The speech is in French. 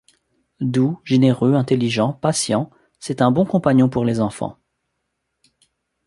Doux, généreux, intelligent, patient, c'est un bon compagnon pour les enfants.